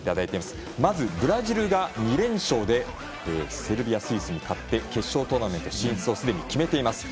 まずブラジルが２連勝でセルビア、スイスに勝って決勝トーナメント進出をすでに決めています。